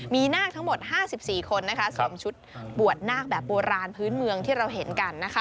มีนาคทั้งหมด๕๔คนสวมชุดบวชนาคแบบโบราณพื้นเมืองที่เราเห็นกัน